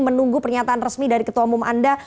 menunggu pernyataan resmi dari ketua umum anda